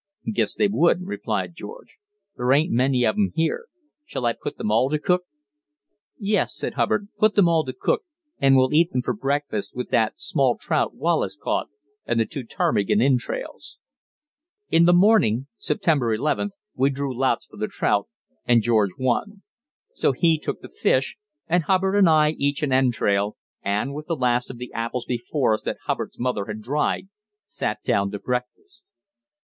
"Guess they would," replied George. "There ain't many of 'em here. Shall I put them all to cook? "Yes," said Hubbard, "put them all to cook, and we'll eat them for breakfast with that small trout Wallace caught and the two ptarmigan entrails." In the morning (September 11th) we drew lots for the trout, and George won. So he took the fish, and Hubbard and I each an entrail, and, with the last of the apples before us that Hubbard's mother had dried, sat down to breakfast.